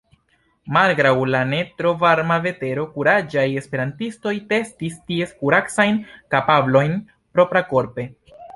Malgraŭ la ne tro varma vetero, kuraĝaj esperantistoj testis ties kuracajn kapablojn proprakorpe.